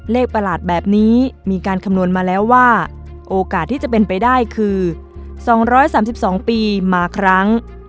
ประหลาดแบบนี้มีการคำนวณมาแล้วว่าโอกาสที่จะเป็นไปได้คือ๒๓๒ปีมาครั้ง